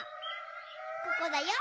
ここだよ。